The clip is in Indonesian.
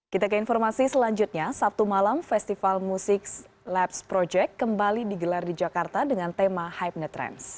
kita ke informasi selanjutnya sabtu malam festival musik labs project kembali digelar di jakarta dengan tema hype netrans